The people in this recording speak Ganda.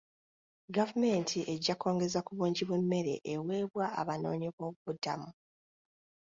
Gavumenti ejja kwongeza ku bungi bw'emmere eweebwa abanoonyi b'obubuddamu.